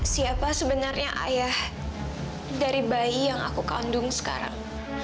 siapa sebenarnya ayah dari bayi yang aku kandung sekarang